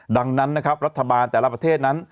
ดังนั้นนะครับรัฐบาลแต่ละประเทศนั้น